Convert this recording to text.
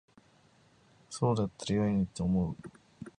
そうだったら良いと思うのに。